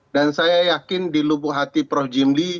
dan saya yakin di lubuk hati prof jimli